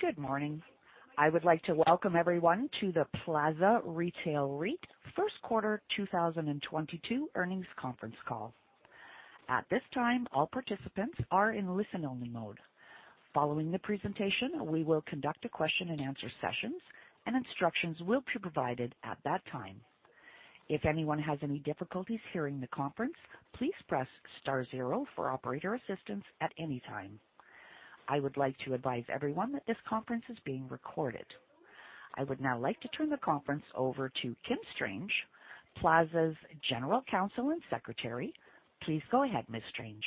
Good morning. I would like to welcome everyone to the Plaza Retail REIT first quarter 2022 earnings conference call. At this time, all participants are in listen-only mode. Following the presentation, we will conduct a question-and-answer sessions, and instructions will be provided at that time. If anyone has any difficulties hearing the conference, please press star zero for operator assistance at any time. I would like to advise everyone that this conference is being recorded. I would now like to turn the conference over to Kim Strange, Plaza's General Counsel and Secretary. Please go ahead, Ms. Strange.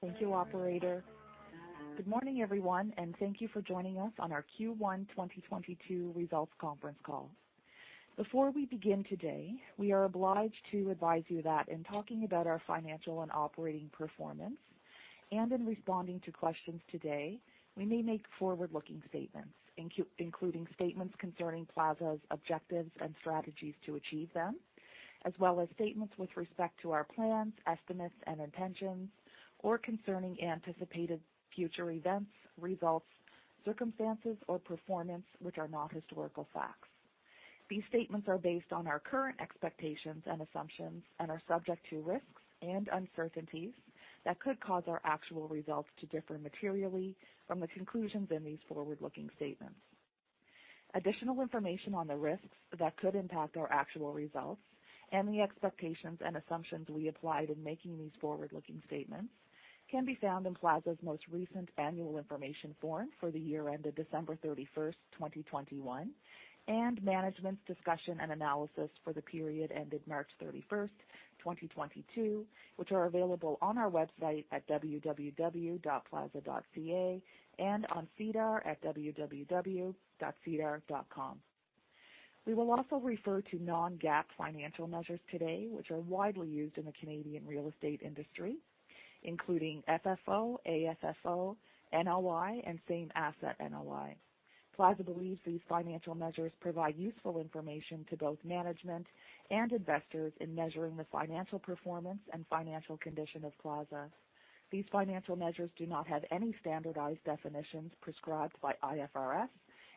Thank you, operator. Good morning, everyone, and thank you for joining us on our Q1 2022 results conference call. Before we begin today, we are obliged to advise you that in talking about our financial and operating performance and in responding to questions today, we may make forward-looking statements, including statements concerning Plaza's objectives and strategies to achieve them, as well as statements with respect to our plans, estimates, and intentions, or concerning anticipated future events, results, circumstances, or performance, which are not historical facts. These statements are based on our current expectations and assumptions and are subject to risks and uncertainties that could cause our actual results to differ materially from the conclusions in these forward-looking statements. Additional information on the risks that could impact our actual results and the expectations and assumptions we applied in making these forward-looking statements can be found in Plaza's most recent annual information form for the year ended December 31, 2021, and management's discussion and analysis for the period ended March 31, 2022, which are available on our website at www.plaza.ca and on SEDAR at www.sedar.com. We will also refer to non-GAAP financial measures today, which are widely used in the Canadian real estate industry, including FFO, AFFO, NOI, and same-asset NOI. Plaza believes these financial measures provide useful information to both management and investors in measuring the financial performance and financial condition of Plaza. These financial measures do not have any standardized definitions prescribed by IFRS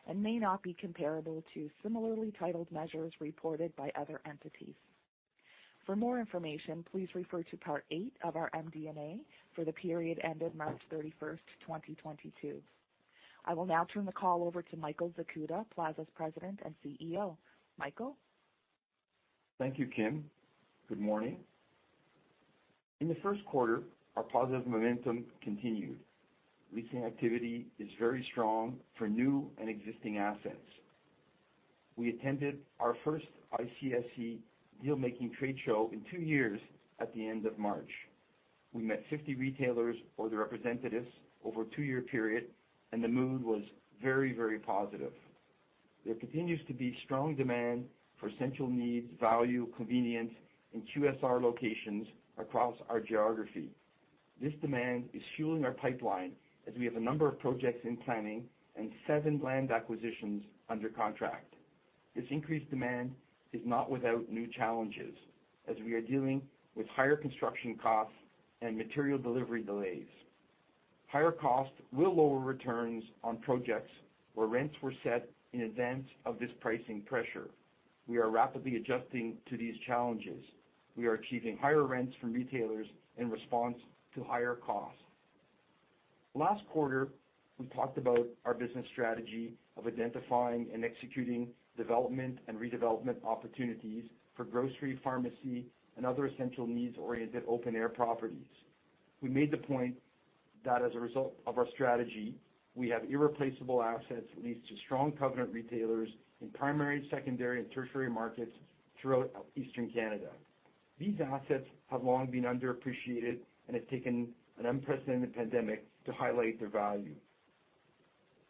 and may not be comparable to similarly titled measures reported by other entities. For more information, please refer to part eight of our MD&A for the period ended March 31, 2022. I will now turn the call over to Michael Zakuta, Plaza's President and CEO. Michael? Thank you, Kim. Good morning. In the first quarter, our positive momentum continued. Leasing activity is very strong for new and existing assets. We attended our first ICSC deal-making trade show in two years at the end of March. We met 50 retailers or their representatives over a two-year period, and the mood was very, very positive. There continues to be strong demand for essential needs, value, convenience, and QSR locations across our geography. This demand is fueling our pipeline as we have a number of projects in planning and seven land acquisitions under contract. This increased demand is not without new challenges, as we are dealing with higher construction costs and material delivery delays. Higher costs will lower returns on projects where rents were set in advance of this pricing pressure. We are rapidly adjusting to these challenges. We are achieving higher rents from retailers in response to higher costs. Last quarter, we talked about our business strategy of identifying and executing development and redevelopment opportunities for grocery, pharmacy, and other essential needs-oriented open air properties. We made the point that as a result of our strategy, we have irreplaceable assets leased to strong covenant retailers in primary, secondary, and tertiary markets throughout Eastern Canada. These assets have long been underappreciated and have taken an unprecedented pandemic to highlight their value.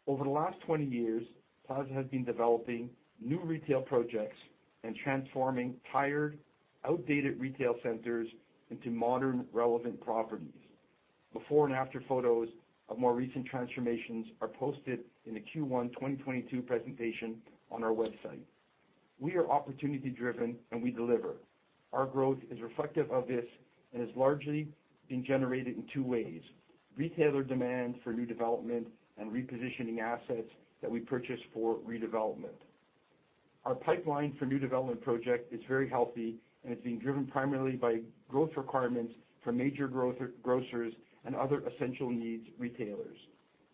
Over the last 20 years, Plaza has been developing new retail projects and transforming tired, outdated retail centers into modern, relevant properties. Before and after photos of more recent transformations are posted in the Q1 2022 presentation on our website. We are opportunity-driven, and we deliver. Our growth is reflective of this and has largely been generated in two ways, retailer demand for new development and repositioning assets that we purchase for redevelopment. Our pipeline for new development project is very healthy and is being driven primarily by growth requirements for major grocers and other essential needs retailers.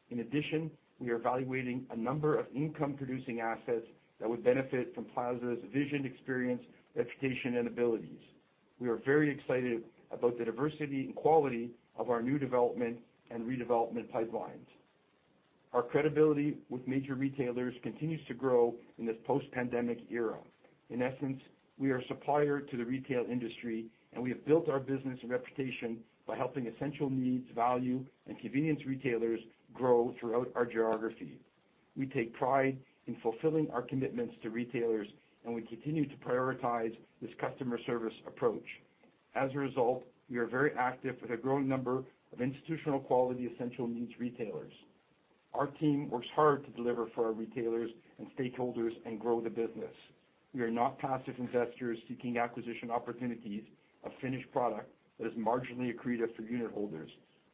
In addition, we are evaluating a number of income-producing assets that would benefit from Plaza's vision, experience, execution, and abilities. We are very excited about the diversity and quality of our new development and redevelopment pipelines. Our credibility with major retailers continues to grow in this post-pandemic era. In essence, we are supplier to the retail industry, and we have built our business and reputation by helping essential needs, value, and convenience retailers grow throughout our geography. We take pride in fulfilling our commitments to retailers, and we continue to prioritize this customer service approach. As a result, we are very active with a growing number of institutional quality essential needs retailers. Our team works hard to deliver for our retailers and stakeholders and grow the business. We are not passive investors seeking acquisition opportunities of finished product that is marginally accretive for unitholders.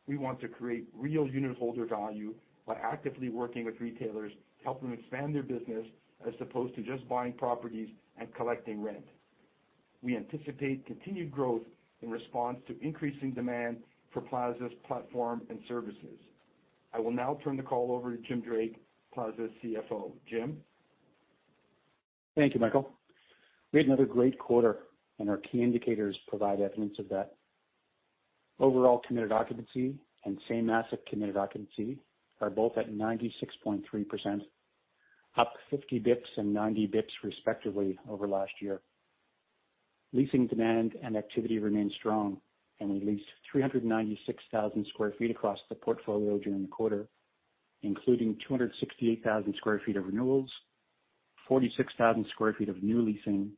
We want to create real unitholder value by actively working with retailers to help them expand their business, as opposed to just buying properties and collecting rent. We anticipate continued growth in response to increasing demand for Plaza's platform and services. I will now turn the call over to Jim Drake, Plaza's CFO. Jim? Thank you, Michael. We had another great quarter, and our key indicators provide evidence of that. Overall committed occupancy and same-asset committed occupancy are both at 96.3%, up 50 basis points and 90 basis points respectively over last year. Leasing demand and activity remain strong, and we leased 396,000 sq ft across the portfolio during the quarter, including 268,000 sq ft of renewals, 46,000 sq ft of new leasing,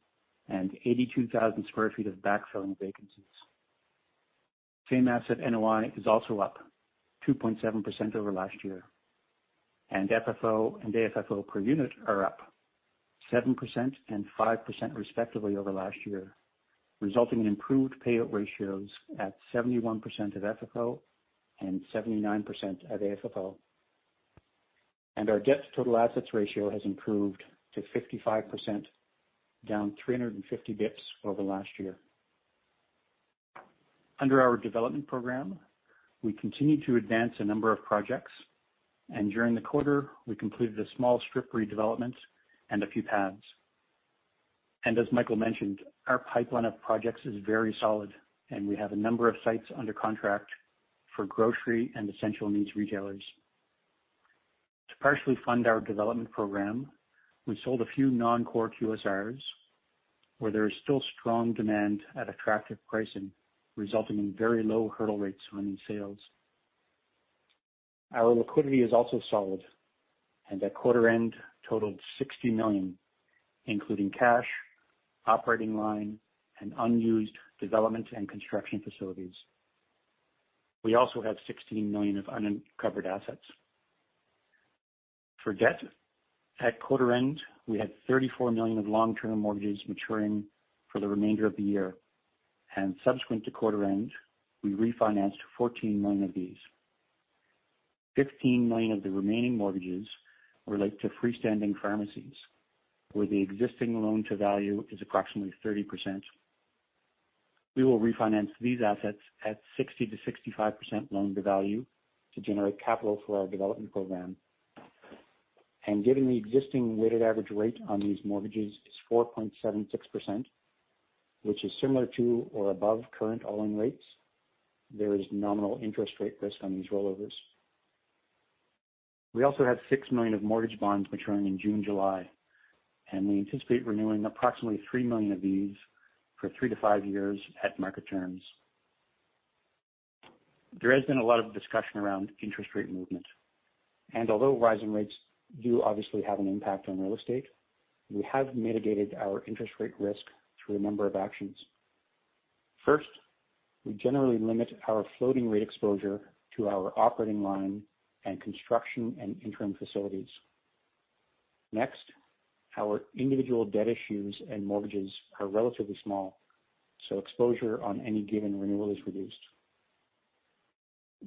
and 82,000 sq ft of backfilling vacancies. Same-asset NOI is also up 2.7% over last year, and FFO and AFFO per unit are up 7% and 5% respectively over last year, resulting in improved payout ratios at 71% of FFO and 79% of AFFO. Our debt-to-total assets ratio has improved to 55%, down 350 BPS over last year. Under our development program, we continue to advance a number of projects, and during the quarter, we completed a small strip redevelopment and a few pads. As Michael mentioned, our pipeline of projects is very solid, and we have a number of sites under contract for grocery and essential needs retailers. To partially fund our development program, we sold a few non-core QSRs where there is still strong demand at attractive pricing, resulting in very low hurdle rates on these sales. Our liquidity is also solid and at quarter end totaled 60 million, including cash, operating line, and unused development and construction facilities. We also have 16 million of uncovered assets. For debt, at quarter end, we had 34 million of long-term mortgages maturing for the remainder of the year, and subsequent to quarter end, we refinanced 14 million of these. 15 million of the remaining mortgages relate to freestanding pharmacies, where the existing loan-to-value is approximately 30%. We will refinance these assets at 60%-65% loan-to-value to generate capital for our development program. Given the existing weighted average rate on these mortgages is 4.76%, which is similar to or above current all-in rates, there is nominal interest rate risk on these rollovers. We also have 6 million of mortgage bonds maturing in June, July, and we anticipate renewing approximately 3 million of these for three to five years at market terms. There has been a lot of discussion around interest rate movement, and although rising rates do obviously have an impact on real estate, we have mitigated our interest rate risk through a number of actions. First, we generally limit our floating rate exposure to our operating line and construction and interim facilities. Next, our individual debt issues and mortgages are relatively small, so exposure on any given renewal is reduced.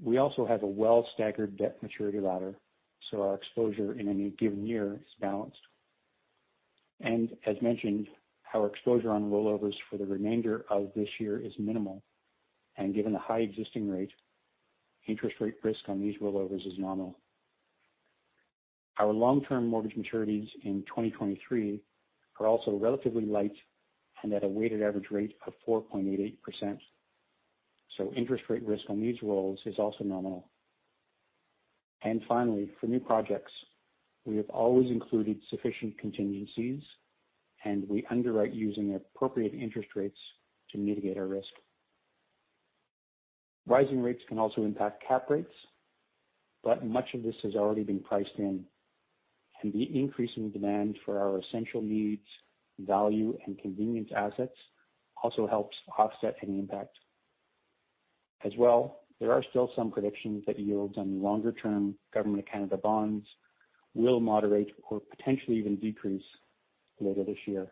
We also have a well-staggered debt maturity ladder, so our exposure in any given year is balanced. As mentioned, our exposure on rollovers for the remainder of this year is minimal, and given the high existing rate, interest rate risk on these rollovers is nominal. Our long-term mortgage maturities in 2023 are also relatively light and at a weighted average rate of 4.88%, so interest rate risk on these rolls is also nominal. Finally, for new projects, we have always included sufficient contingencies, and we underwrite using appropriate interest rates to mitigate our risk. Rising rates can also impact cap rates, but much of this has already been priced in. The increase in demand for our essential needs, value, and convenience assets also helps offset any impact. As well, there are still some predictions that yields on longer-term Government of Canada bonds will moderate or potentially even decrease later this year.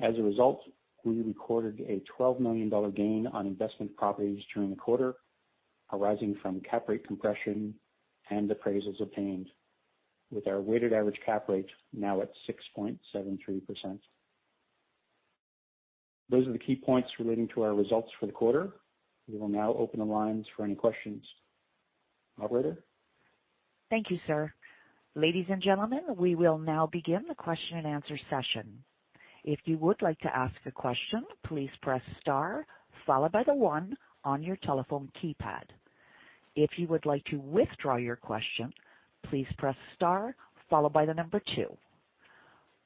As a result, we recorded a 12 million dollar gain on investment properties during the quarter, arising from cap rate compression and appraisals obtained, with our weighted average cap rate now at 6.73%. Those are the key points relating to our results for the quarter. We will now open the lines for any questions. Operator? Thank you, sir. Ladies and gentlemen, we will now begin the question-and-answer session. If you would like to ask a question, please press star followed by the one on your telephone keypad. If you would like to withdraw your question, please press star followed by the number two.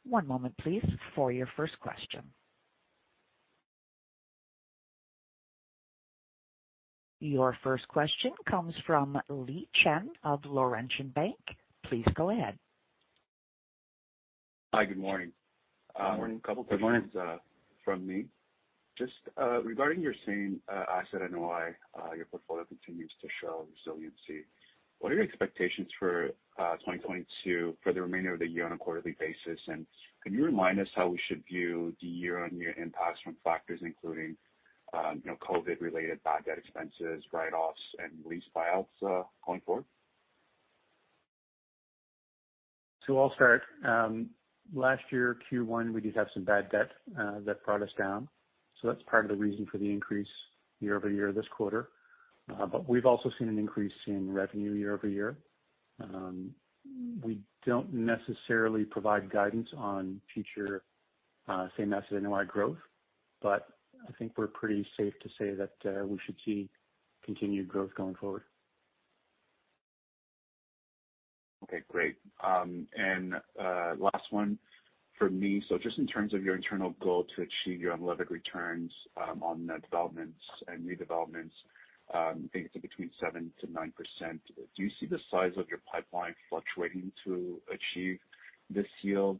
One moment, please, for your first question. Your first question comes from Lorne Kalmar of Laurentian Bank. Please go ahead. Hi, good morning. Good morning. A couple of questions from me. Just regarding your same-asset NOI, your portfolio continues to show resiliency. What are your expectations for 2022 for the remainder of the year on a quarterly basis? Can you remind us how we should view the year-on-year impacts from factors including, you know, COVID-related bad debt expenses, write-offs, and lease buyouts going forward? I'll start. Last year, Q1, we did have some bad debt that brought us down. That's part of the reason for the increase year-over-year this quarter. We've also seen an increase in revenue year-over-year. We don't necessarily provide guidance on future same-asset NOI growth. I think we're pretty safe to say that we should see continued growth going forward. Okay, great. Last one for me. Just in terms of your internal goal to achieve your unlevered returns, on the developments and redevelopments, I think it's between 7%-9%, do you see the size of your pipeline fluctuating to achieve this yield,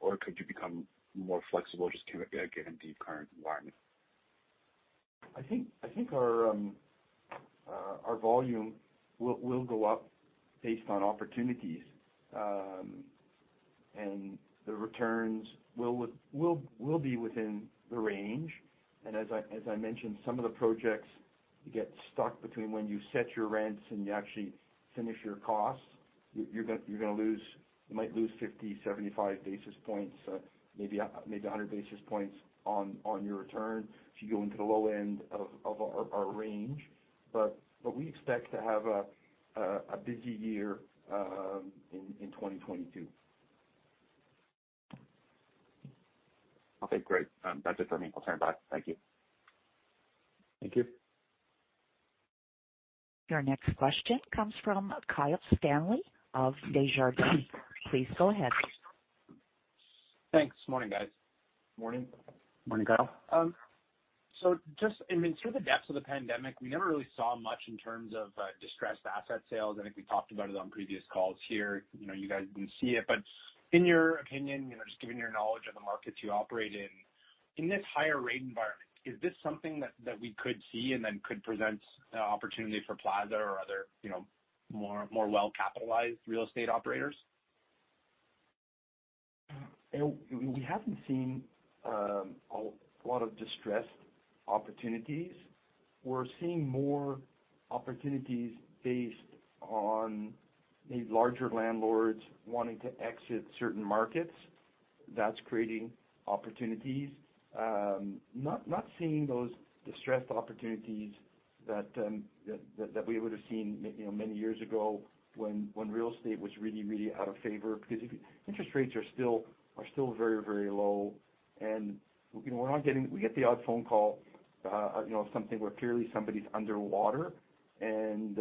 or could you become more flexible just given the current environment? I think our volume will go up based on opportunities. The returns will be within the range. As I mentioned, some of the projects, you get stuck between when you set your rents and you actually finish your costs. You might lose 50, 75 basis points, maybe 100 basis points on your return if you go into the low end of our range. We expect to have a busy year in 2022. Okay, great. That's it from me. I'll stand by. Thank you. Thank you. Your next question comes from Kyle Stanley of Desjardins. Please go ahead. Thanks. Morning, guys. Morning. Morning, Kyle. Just, I mean, through the depths of the pandemic, we never really saw much in terms of distressed asset sales. I think we talked about it on previous calls here. You know, you guys didn't see it. In your opinion, you know, just given your knowledge of the markets you operate in this higher rate environment, is this something that we could see and then could present opportunity for Plaza or other, you know, more well-capitalized real estate operators? We haven't seen a lot of distressed opportunities. We're seeing more opportunities based on maybe larger landlords wanting to exit certain markets. That's creating opportunities. We're not seeing those distressed opportunities that we would have seen you know many years ago when real estate was really out of favor. Because interest rates are still very low. You know, we get the odd phone call you know of something where clearly somebody's underwater, and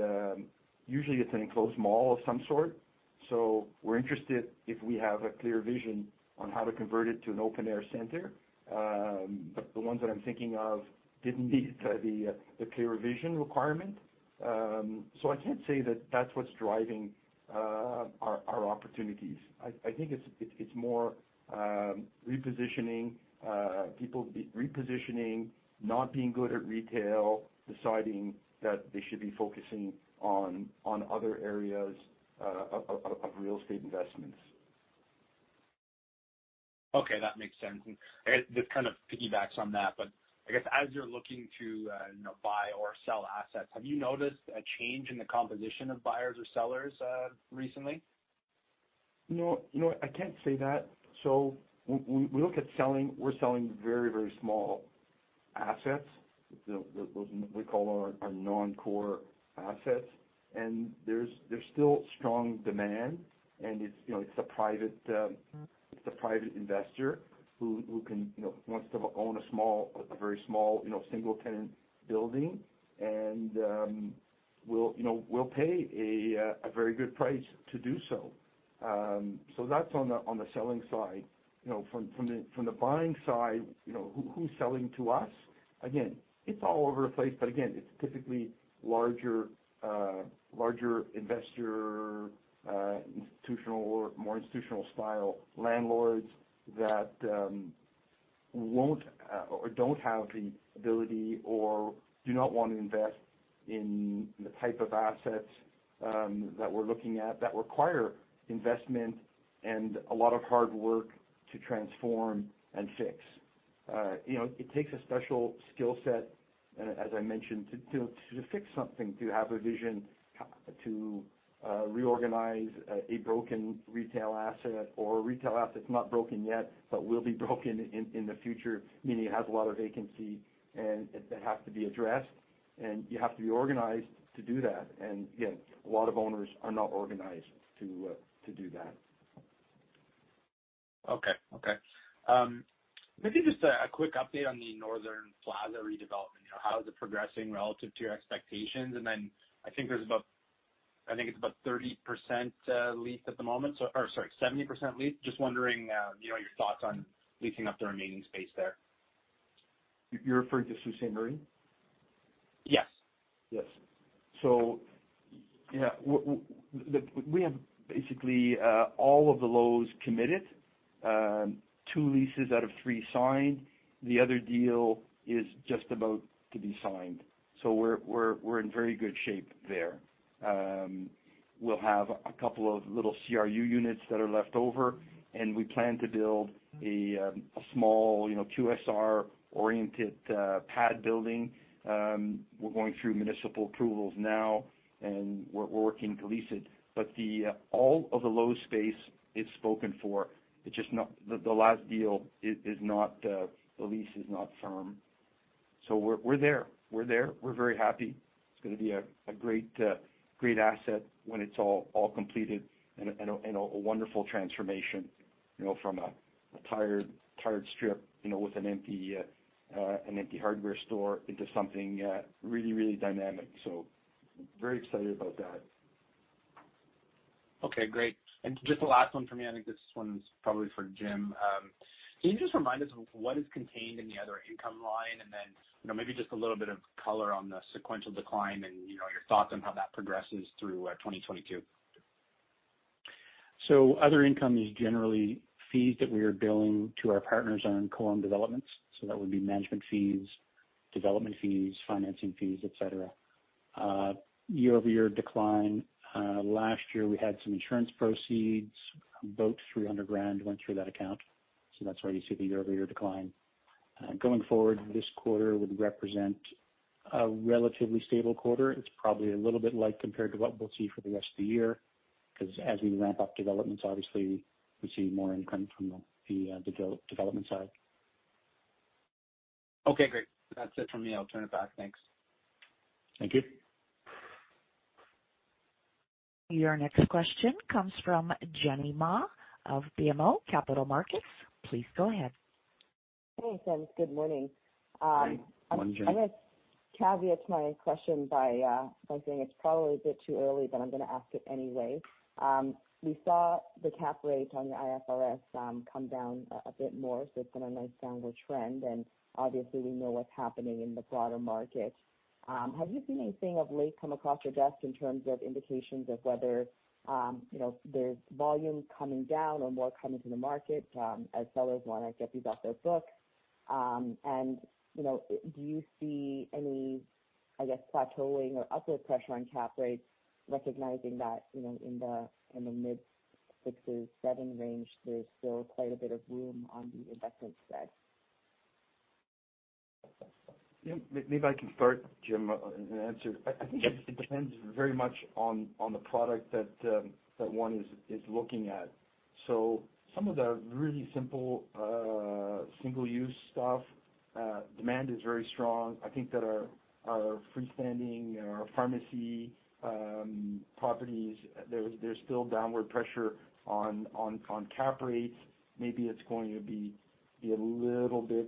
usually it's an enclosed mall of some sort. We're interested if we have a clear vision on how to convert it to an open air center. But the ones that I'm thinking of didn't meet the clear vision requirement. I can't say that that's what's driving our opportunities. I think it's more repositioning, people repositioning, not being good at retail, deciding that they should be focusing on other areas of real estate investments. Okay, that makes sense. I guess this kind of piggybacks on that, but I guess as you're looking to, you know, buy or sell assets, have you noticed a change in the composition of buyers or sellers, recently? No. You know what, I can't say that. When we look at selling, we're selling very, very small assets, those we call our non-core assets. There's still strong demand. It's, you know, a private investor who can, you know, wants to own a small, a very small, you know, single tenant building and will, you know, pay a very good price to do so. That's on the selling side. You know, from the buying side, you know, who's selling to us? Again, it's all over the place. Again, it's typically larger investor, institutional or more institutional style landlords that won't or don't have the ability or do not want to invest in the type of assets that we're looking at that require investment and a lot of hard work to transform and fix. You know, it takes a special skill set, as I mentioned, to fix something, to have a vision, to reorganize a broken retail asset or a retail asset that's not broken yet, but will be broken in the future, meaning it has a lot of vacancy and that has to be addressed. You have to be organized to do that. Again, a lot of owners are not organized to do that. Okay, maybe just a quick update on the Northern Plaza redevelopment. You know, how is it progressing relative to your expectations? I think it's about 30% leased at the moment. Or sorry, 70% leased. Just wondering, you know, your thoughts on leasing up the remaining space there. You're referring to Sault Ste. Marie? Yes. Yes. Yeah, we have basically all of the lots committed, two leases out of three signed. The other deal is just about to be signed, so we're in very good shape there. We'll have a couple of little CRU units that are left over, and we plan to build a small, you know, QSR-oriented pad building. We're going through municipal approvals now, and we're working to lease it. All of the lot space is spoken for. It's just not. The last deal is not. The lease is not firm. We're there. We're very happy. It's gonna be a great asset when it's all completed and a wonderful transformation, you know, from a tired strip, you know, with an empty hardware store into something really dynamic. Very excited about that. Okay, great. Just the last one for me, I think this one's probably for Jim. Can you just remind us of what is contained in the other income line? And then, you know, maybe just a little bit of color on the sequential decline and, you know, your thoughts on how that progresses through 2022. Other income is generally fees that we are billing to our partners on co-owned developments. That would be management fees, development fees, financing fees, et cetera. Year-over-year decline, last year, we had some insurance proceeds, about CAD 300,000 went through that account. That's why you see the year-over-year decline. Going forward, this quarter would represent a relatively stable quarter. It's probably a little bit light compared to what we'll see for the rest of the year. Because as we ramp up developments, obviously we see more income from the development side. Okay, great. That's it for me. I'll turn it back. Thanks. Thank you. Your next question comes from Jenny Ma of BMO Capital Markets. Please go ahead. Hey, gents. Good morning. Hi. Morning, Jenny. I'm gonna caveat my question by saying it's probably a bit too early, but I'm gonna ask it anyway. We saw the cap rate on the IFRS come down a bit more, so it's been a nice downward trend, and obviously we know what's happening in the broader market. Have you seen anything of late come across your desk in terms of indications of whether, you know, there's volume coming down or more coming to the market as sellers wanna get these off their books? You know, do you see any, I guess, plateauing or upward pressure on cap rates recognizing that, you know, in the mid-sixes, seven range, there's still quite a bit of room on the investment side? Yeah. Maybe I can start, Jim, an answer. Yes. I think it depends very much on the product that one is looking at. Some of the really simple single-use stuff, demand is very strong. I think that our freestanding, our pharmacy properties, there's still downward pressure on cap rates. Maybe it's going to be a little bit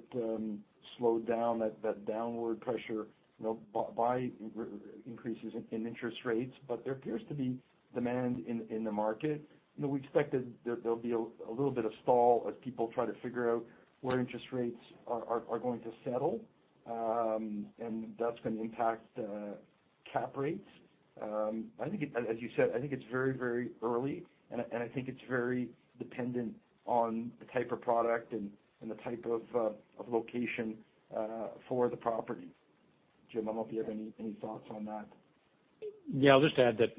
slowed down that downward pressure, you know, by increases in interest rates. There appears to be demand in the market. You know, we expect that there'll be a little bit of stall as people try to figure out where interest rates are going to settle, and that's gonna impact cap rates. I think as you said, I think it's very early, and I think it's very dependent on the type of product and the type of location for the property. Jim, I don't know if you have any thoughts on that. I'll just add that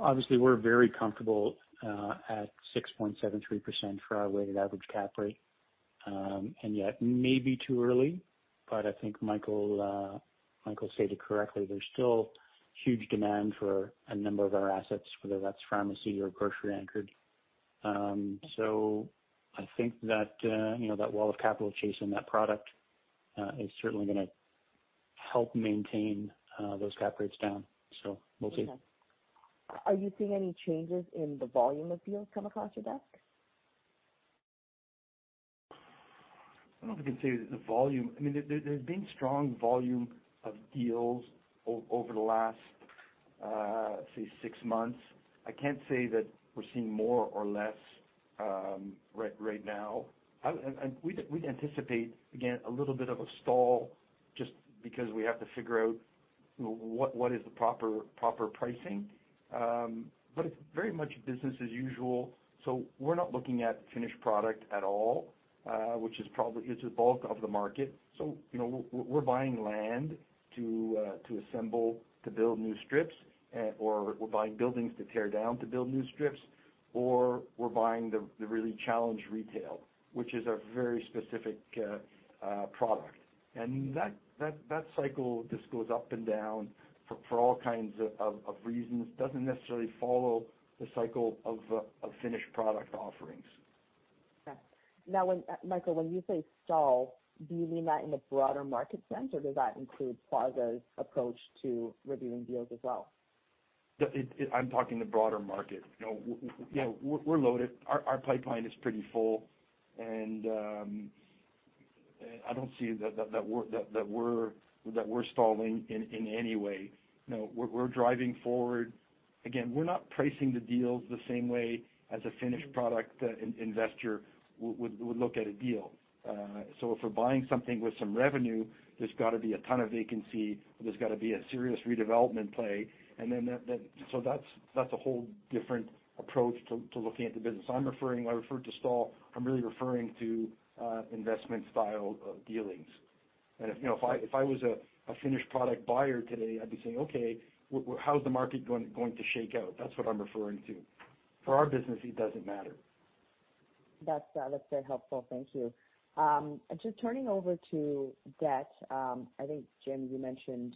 obviously we're very comfortable at 6.73% for our weighted average cap rate. It may be too early, but I think Michael said it correctly. There's still huge demand for a number of our assets, whether that's pharmacy or grocery anchored. I think that, you know, that wall of capital chasing that product is certainly gonna help maintain those cap rates down. We'll see. Okay. Are you seeing any changes in the volume of deals come across your desk? I don't know if I can say the volume. I mean, there's been strong volume of deals over the last, say six months. I can't say that we're seeing more or less right now. We'd anticipate, again, a little bit of a stall just because we have to figure out, you know, what is the proper pricing. It's very much business as usual, so we're not looking at finished product at all, which is probably the bulk of the market. You know, we're buying land to assemble, to build new strips, or we're buying buildings to tear down to build new strips, or we're buying the really challenged retail, which is a very specific product. That cycle just goes up and down for all kinds of reasons. Doesn't necessarily follow the cycle of finished product offerings. Okay. Now Michael, when you say stall, do you mean that in the broader market sense, or does that include Plaza's approach to reviewing deals as well? I'm talking the broader market. You know, we're loaded. Our pipeline is pretty full. I don't see that we're stalling in any way. You know, we're driving forward. Again, we're not pricing the deals the same way as a finished product investor would look at a deal. So if we're buying something with some revenue, there's gotta be a ton of vacancy, there's gotta be a serious redevelopment play. Then that. So that's a whole different approach to looking at the business. I'm referring, I referred to stall. I'm really referring to investment style of dealings. If, you know, if I was a finished product buyer today, I'd be saying, "Okay, how's the market going to shake out?" That's what I'm referring to. For our business, it doesn't matter. That's very helpful. Thank you. Just turning over to debt. I think, Jim, you mentioned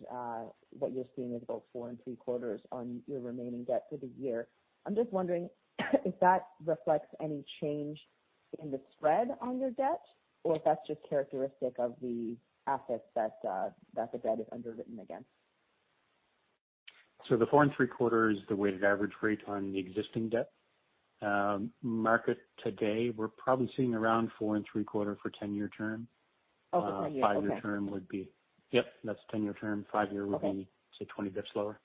what you're seeing is about 4.75% on your remaining debt for the year. I'm just wondering if that reflects any change in the spread on your debt or if that's just characteristic of the assets that the debt is underwritten against. The 4.75% is the weighted average rate on the existing debt. Market today, we're probably seeing around 4.75% for 10-year term. Okay. 10-year, okay. Yep, that's 10-year term. Okay. Would be, say, 20 basis points lower.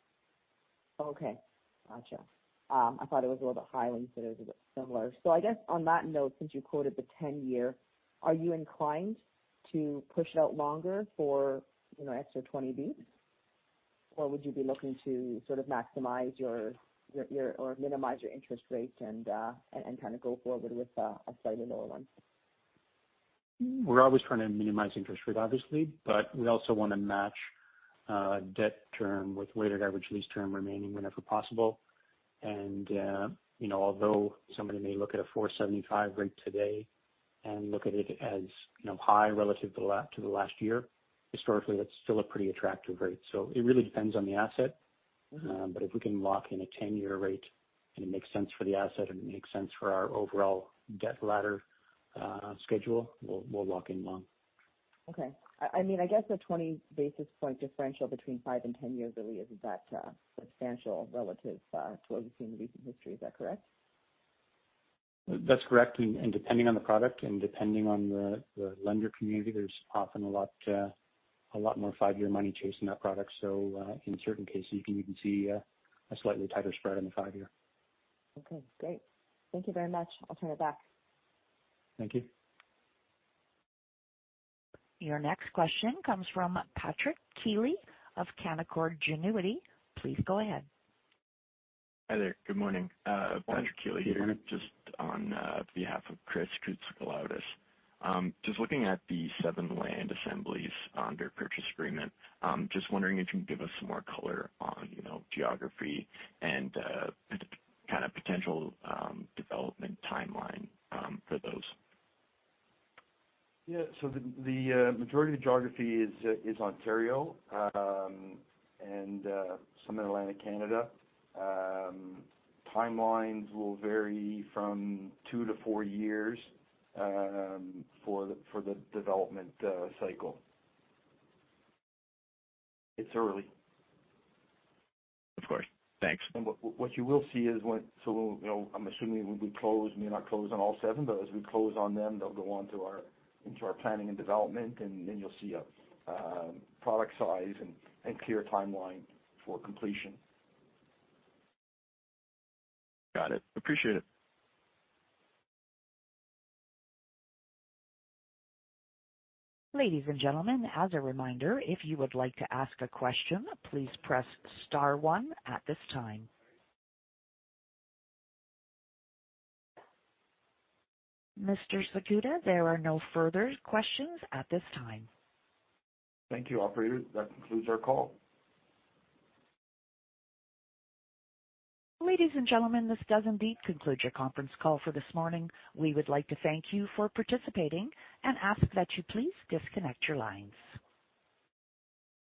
Okay. Gotcha. I thought it was a little bit higher when you said it was a bit similar. I guess on that note, since you quoted the 10-year, are you inclined to push it out longer for, you know, extra 20 BPS? Or would you be looking to sort of maximize your or minimize your interest rate and kind of go forward with a slightly lower one? We're always trying to minimize interest rate, obviously, but we also wanna match debt term with weighted average lease term remaining whenever possible. You know, although somebody may look at a 4.75% rate today and look at it as, you know, high relative to the last year, historically, that's still a pretty attractive rate. It really depends on the asset. If we can lock in a 10-year rate and it makes sense for the asset and it makes sense for our overall debt ladder schedule, we'll lock in long. Okay. I mean, I guess the 20 basis points differential between five and 10 years really isn't that substantial relative to what we've seen in recent history. Is that correct? That's correct. Depending on the product and depending on the lender community, there's often a lot more five-year money chasing that product. In certain cases, you can even see a slightly tighter spread on the five-year. Okay, great. Thank you very much. I'll turn it back. Thank you. Your next question comes from Patrick Keeley of Canaccord Genuity. Please go ahead. Hi there. Good morning. Morning. Patrick Keeley here, just on behalf of Chris Koutsikaloudis. Just looking at the seven land assemblies under purchase agreement, just wondering if you can give us some more color on, you know, geography and kind of potential development timeline for those. Yeah. The majority of the geography is Ontario, and some in Atlantic Canada. Timelines will vary from two to four years for the development cycle. It's early. Of course. Thanks. What you will see is when you know, I'm assuming when we close, we may not close on all seven, but as we close on them, they'll go on into our planning and development, and then you'll see a product size and clear timeline for completion. Got it. Appreciate it. Ladies and gentlemen, as a reminder, if you would like to ask a question, please press star one at this time. Mr. Zakuta, there are no further questions at this time. Thank you, operator. That concludes our call. Ladies and gentlemen, this does indeed conclude your conference call for this morning. We would like to thank you for participating and ask that you please disconnect your lines.